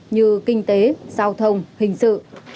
như kinh tế giao thông hình sự